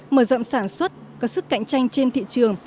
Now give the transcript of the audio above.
mở rộng sản xuất có sức cạnh tranh trên thị trường